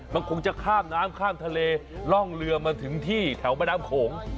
มันคงจะข้ามน้ำข้ามทะเลร่องเรือมาถึงที่แถวแม่น้ำโขง